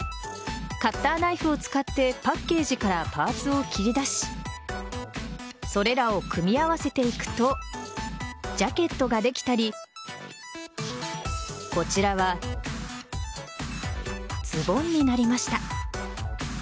カッターナイフを使ってパッケージからパーツを切り出しそれらを組み合わせていくとジャケットができたりこちらはズボンになりました。